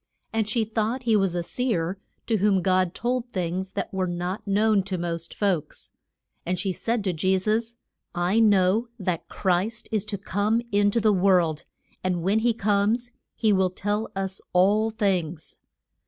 And she thought he was a seer, to whom God told things that were not known to most folks. And she said to Je sus, I know that Christ is to come in to the world, and when he comes he will tell us all things.